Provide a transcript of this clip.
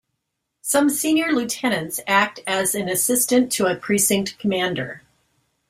Some senior Lieutenants act as an assistant to a precinct commander.